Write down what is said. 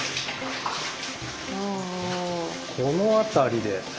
この辺りで。